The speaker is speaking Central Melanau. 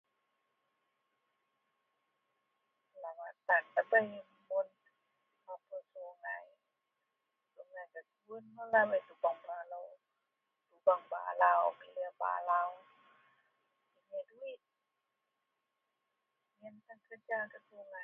Lawatan ndabei mun mapun sungai, singgah kebun tubeng balau, milir balau [unintelligible] duit, yen tan kerja gak sungai